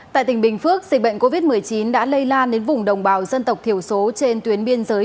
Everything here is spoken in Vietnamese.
tại tỉnh bình phước dịch bệnh covid một mươi chín đã lây lan đến vùng đồng bào dân tộc thiểu số trên tuyến biên giới